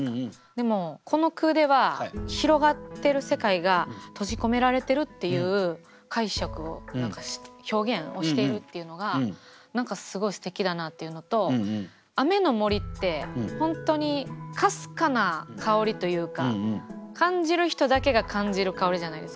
でもこの句ではっていう解釈を表現をしているっていうのが何かすごいすてきだなっていうのと「雨の森」って本当にかすかな香りというか感じる人だけが感じる香りじゃないですか。